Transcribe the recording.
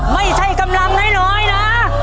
ไม่ใช่กำลังน้อยนะ